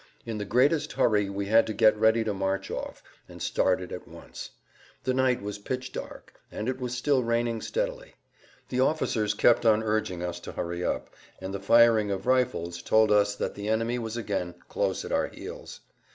In the greatest hurry we had to get ready to march off, and started at once. The night was pitch dark, and it was still raining steadily. The officers kept on urging us to hurry up, and the firing of rifles told us that the enemy was again close at our heels.